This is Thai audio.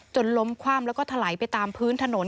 ล้มคว่ำแล้วก็ถลายไปตามพื้นถนน